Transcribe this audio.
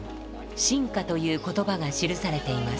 「進化」という言葉が記されています。